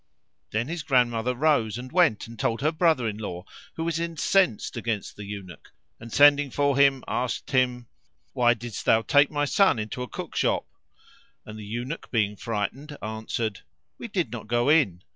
Then his grandmother rose and went and told her brother in law, who was incensed against the Eunuch, and sending for him asked him, "Why didst thou take my son into a cookshop?"; and the Eunuch being frightened answered, "We did not go in."